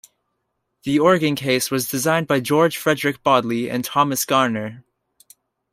The organ case was designed by George Frederick Bodley and Thomas Garner.